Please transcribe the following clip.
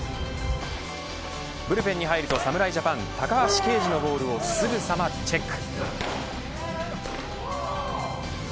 ブルペンに入ると、侍ジャパン高橋奎二のボールをすぐさまチェック。